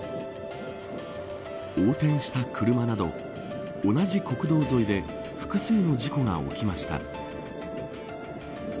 横転した車など同じ国道沿いで複数の事故が起きました。